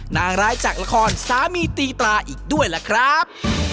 นางร้ายจากละครสามีตีปลาอีกด้วยล่ะครับ